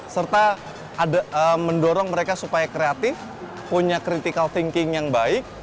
serta mendorong mereka supaya kreatif punya critical thinking yang baik